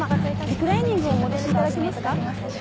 リクライニングをお戻しいただけますか？